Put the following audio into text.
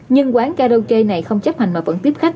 nhưng quán karaoke này không chấp hành mà vẫn tiếp khách